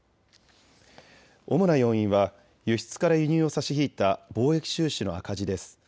主な要因は輸出から輸入を差し引いた貿易収支の赤字です。